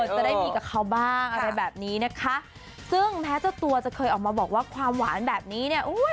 จะได้มีกับเขาบ้างอะไรแบบนี้นะคะซึ่งแม้เจ้าตัวจะเคยออกมาบอกว่าความหวานแบบนี้เนี่ยอุ้ย